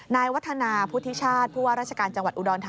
นายวัฒนาพุทธิชาติผู้ว่าราชการจังหวัดอุดรธานี